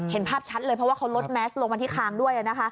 เห็นภาพชัดเลยเพราะว่าเขาลดแมสลงมาที่คางด้วย